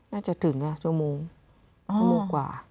น่าจะถึงนะชั่วโมงกว่า